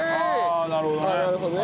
ああなるほどね。